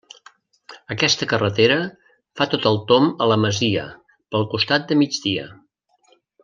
Aquesta carretera fa tot el tomb a la masia, pel costat de migdia.